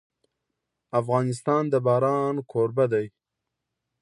افغانستان د باران کوربه دی.